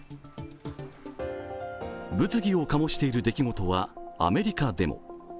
物議を醸している出来事はアメリカでも。